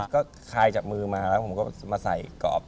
ก็คลายจากมือมาแล้วผมก็มาใส่กรอบ